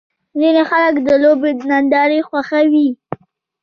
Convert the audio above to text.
ځینې خلک د لوبو نندارې خوښوي.